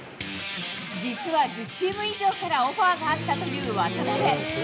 実は１０チーム以上からオファーがあったという渡邊。